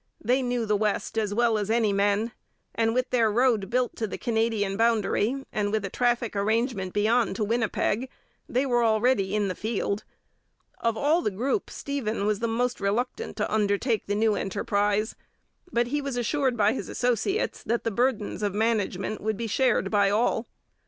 They knew the West as well as any men, and with their road built to the Canadian boundary and with a traffic arrangement beyond to Winnipeg, they were already in the field. Of all the group Stephen was most reluctant to undertake the new enterprise, but he was assured by his associates that the burdens of management would be shared by all.